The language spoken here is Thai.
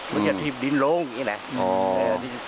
ไม่อยากทีบดินลงอย่างนี้แหละ